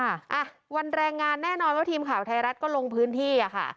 อ่ะวันแรงงานแน่นอนว่าทีมข่าวไทยรัฐก็ลงพื้นที่อ่ะค่ะ